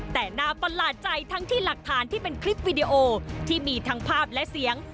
แต่น่าประหลาดใจทั้งที่หลักฐานที่เป็นคลิปวิดีโอที่มีทั้งภาพและเสียง